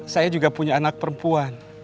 saya juga punya anak perempuan